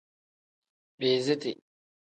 Biiziti.